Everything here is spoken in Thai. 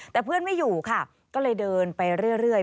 แต่เพื่อนไม่อยู่ค่ะก็เลยเดินไปเรื่อย